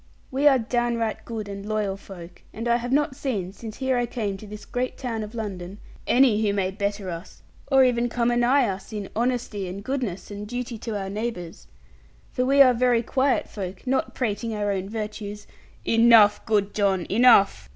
We are downright good and loyal folk; and I have not seen, since here I came to this great town of London, any who may better us, or even come anigh us, in honesty, and goodness, and duty to our neighbours. For we are very quiet folk, not prating our own virtues ' 'Enough, good John, enough!